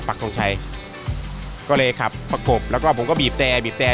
ทงชัยก็เลยขับประกบแล้วก็ผมก็บีบแต่บีบแต่